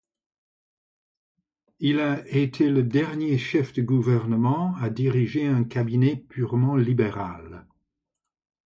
Il a été le dernier chef de gouvernement à diriger un cabinet purement libéral.